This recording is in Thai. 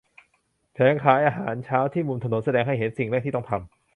แผงขายอาหารเช้าที่มุมถนนแสดงให้เห็นสิ่งแรกที่ต้องทำ